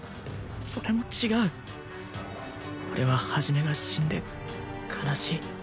それも違う俺は一が死んで悲しい